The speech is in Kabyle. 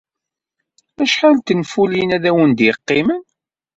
Acḥal n tenfulin ay awen-d-yeqqimen?